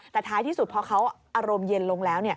แต่ท้ายที่สุดพอเขาอารมณ์เย็นลงแล้ว